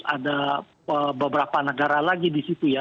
ada beberapa negara lagi di situ ya